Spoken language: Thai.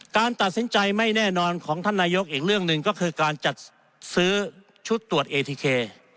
การตัดสินใจไม่แน่นอนของท่านนายกอีกเรื่องหนึ่งก็คือการจัดซื้อชุดตรวจเอทีเค